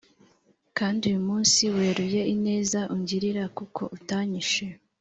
Kandi uyu munsi weruye ineza ungirira kuko utanyishe